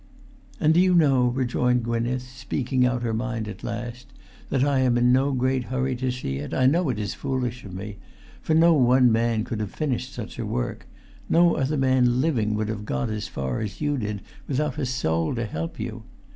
"And do you know," rejoined Gwynneth, speaking out her mind at last, "that I am in no great hurry to see it? I know it is foolish of me—for no one man could have finished such a work—no other man living would have got as far as you did without a soul to help you!